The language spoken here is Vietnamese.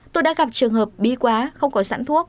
tôi đã gặp trường hợp bí quá không có sẵn thuốc